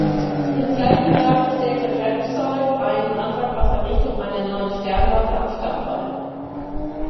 Im gleichen Jahr stellte Repsold einen Antrag auf Errichtung einer neuen Sternwarte am Stadtwall.